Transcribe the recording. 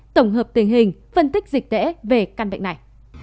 tổng hợp tình hình phân tích dịch tễ về căn bệnh này